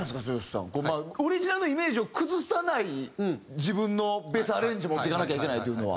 オリジナルのイメージを崩さない自分のベースアレンジに持っていかなきゃいけないというのは。